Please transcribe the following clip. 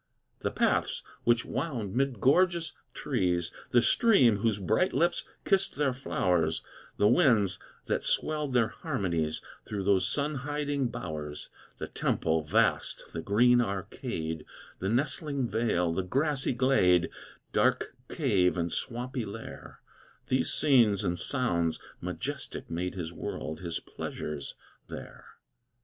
The paths which wound mid gorgeous trees, The stream whose bright lips kissed their flowers, The winds that swelled their harmonies Through those sun hiding bowers, The temple vast, the green arcade, The nestling vale, the grassy glade, Dark cave, and swampy lair; These scenes and sounds majestic made His world, his pleasures, there.